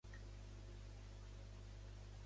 Et detens uns minuts?